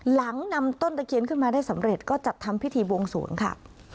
หลังนำต้นตะเคียนขึ้นมาได้สำเร็จก็จัดทำพิธีบวงศูนย์ค่ะ